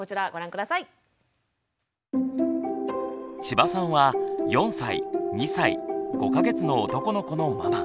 千葉さんは４歳２歳５か月の男の子のママ。